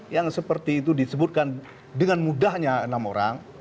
yang seperti itu disebutkan dengan mudahnya enam orang